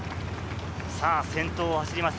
先頭を走ります